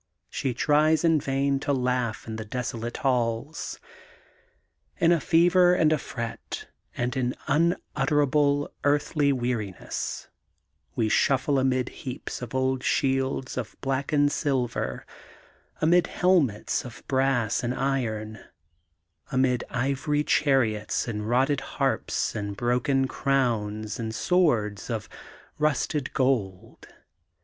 She tries in vain to laugh in the desolate halls. In a fever and a, fret and in unutterable, earthly weariness, we shuffle amid heaps of old shields bf blackened silver, amid helmets of brass and iron, amid ivory chariots and rotted harps and broken crowns and swords of rusted gold.